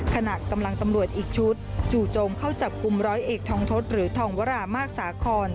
ขณะกำลังตำรวจอีกชุดจูะจงเข้าจับกุมร้อยเอกทองทศภรรวามากซาคล